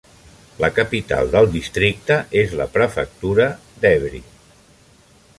La capital del districte és la prefectura d'Évry.